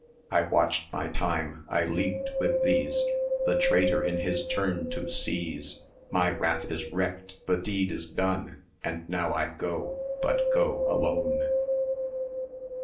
I watched my time, I leagued with these, The traitor in his turn to seize; My wrath is wreaked, the deed is done, And now I go but go alone."